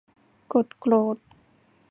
กดโกรธ